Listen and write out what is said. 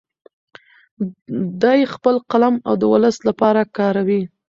دی خپل قلم د ولس لپاره کاروي.